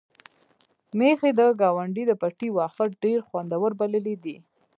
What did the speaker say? میښې د ګاونډي د پټي واښه ډېر خوندور بللي دي.